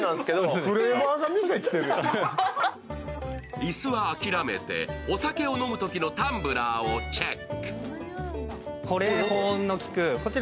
椅子は諦めてお酒を飲むときのタンブラーをチェック。